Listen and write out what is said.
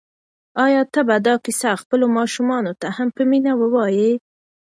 آیا ته به دا کیسه خپلو ماشومانو ته هم په مینه ووایې؟